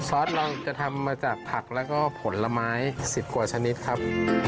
ซอสเราจะทำมาจากผักแล้วก็ผลไม้๑๐กว่าชนิดครับ